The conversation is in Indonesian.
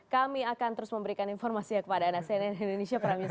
kami akan terus memberikan informasi kepada anak cnn indonesia pramidzim